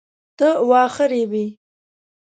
ته واخه ریبې؟